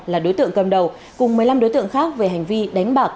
là đối tượng cầm đầu cùng một mươi năm đối tượng khác về hành vi đánh bạc